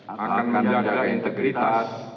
akan menjaga integritas